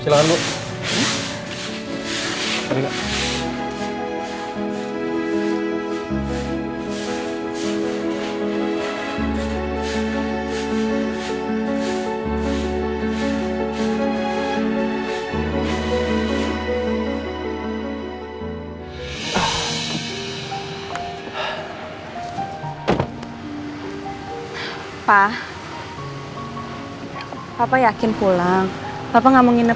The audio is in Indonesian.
nanti kita ketemu lagi ya